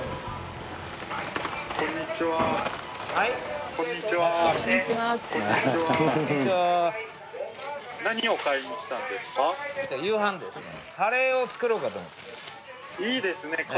いいですね